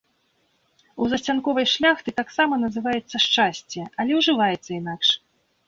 У засцянковай шляхты таксама называецца шчасце, але ўжываецца інакш.